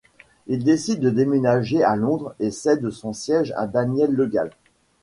Il décide de déménager à Londres et cède son siège à Daniel Le Gall.